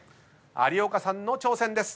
有岡さんの挑戦です。